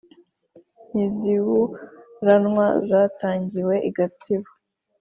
ntiziburanwa zatangiwe i gatsibo